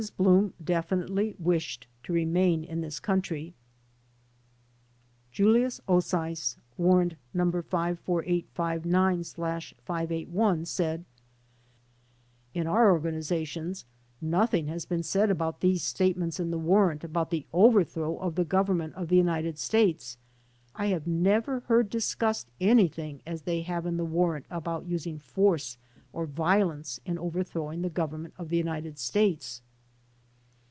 B)oom definitely wished to remain in this country. Julius Ohsis (Warrant No. S48S9/S81) said: "In our organizations nothing has been saki about these statements in the warrant about the overthrow of the Govern ment of the United States. I have never heard discussed anything as they have in the warrant about using force or violence m overthrowing the Government of the United States."